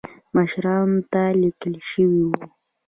مشرانو ته لیکل شوي وو.